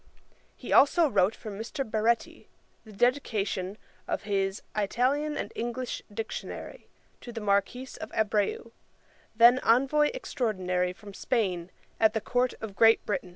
He also wrote for Mr. Baretti, the dedication[dagger] of his Italian and English Dictionary to the Marquis of Abreu, then Envoy Extraordinary from Spain at the Court of Great Britain.